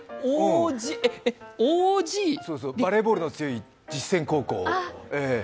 バレーボールの強い実践高校。